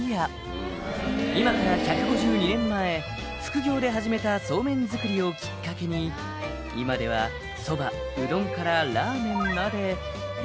「今から１５２年前副業で始めたそうめん作りをきっかけに今ではそばうどんからラーメンまで」